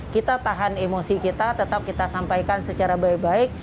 kita tahan emosi kita tetap kita sampaikan secara baik baik